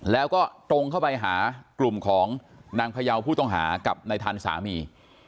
แล้วก็ตรงเข้าไปหากลุ่มของนางพยาวผู้ต้องหากับนายทันสามี